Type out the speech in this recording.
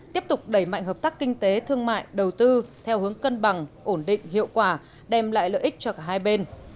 tiếp tục đẩy mạnh hợp tác kinh tế thương mại đầu tư theo hướng cân bằng ổn định hiệu quả đem lại lợi ích cho cả hai bên